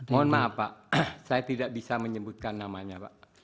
mohon maaf pak saya tidak bisa menyebutkan namanya pak